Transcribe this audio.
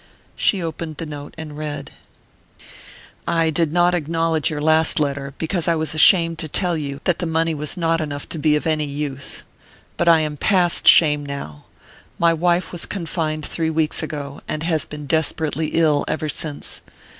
She opened the note and read. "I did not acknowledge your last letter because I was ashamed to tell you that the money was not enough to be of any use. But I am past shame now. My wife was confined three weeks ago, and has been desperately ill ever since.